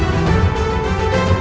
hidup raden walang susah